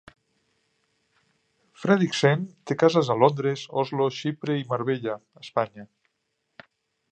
Fredriksen té cases a Londres, Oslo, Xipre i Marbella (Espanya).